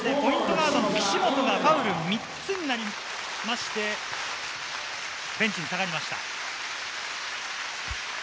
ガードの岸本がファウル３つになりまして、ベンチに下がりました。